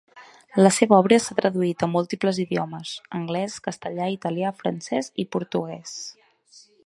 La seva obra s'ha traduït a múltiples idiomes: anglès, castellà, italià, francès i portuguès.